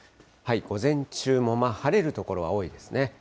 午前中も晴れる所が多いですね。